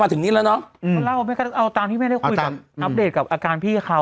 ถึงนี้แล้วเนอะเอาตามที่แม่ได้คุยกับอัปเดตกับอาการพี่เขา